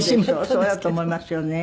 そうだと思いますよね